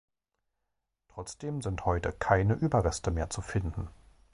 Trotzdem sind heute keine Überreste mehr zu finden.